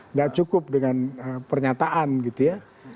nggak cukup dengan pernyataan gitu ya